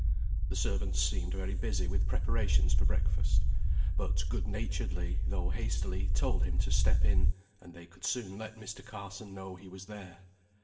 The servants seemed very busy with preparations for breakfast; but good naturedly, though hastily, told him to step in, and they could soon let Mr. Carson know he was there.